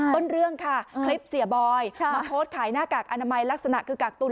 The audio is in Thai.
ต้นเรื่องค่ะคลิปเสียบอยมาโพสต์ขายหน้ากากอนามัยลักษณะคือกักตุน